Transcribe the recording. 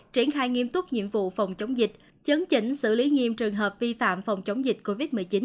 triển khai nghiêm túc nhiệm vụ phòng chống dịch chấn chỉnh xử lý nghiêm trường hợp vi phạm phòng chống dịch covid một mươi chín